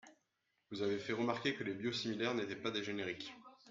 Vous avez fait remarquer que les biosimilaires n’étaient pas des génériques.